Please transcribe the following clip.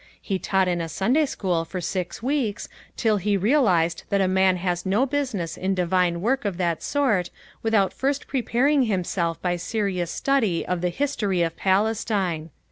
He taught in a Sunday school for six weeks, till he realised that a man has no business in Divine work of that sort without first preparing himself by serious study of the history of Palestine.